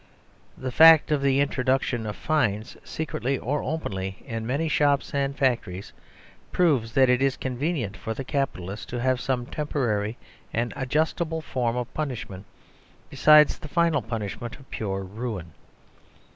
The fact of the introduction of fines, secretly or openly, in many shops and factories, proves that it is convenient for the capitalists to have some temporary and adjustable form of punishment besides the final punishment of pure ruin.